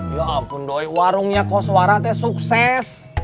ya ampun doi warungnya pak suara teh sukses